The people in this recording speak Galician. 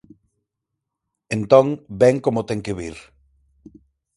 Entón, vén como ten que vir.